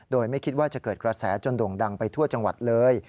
โดยไม่คิดว่าจะเกิดกระแสจนโด่งดังไปทั่วจังหวัดเลย